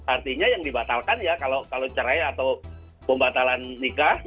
artinya yang dibatalkan ya kalau cerai atau pembatalan nikah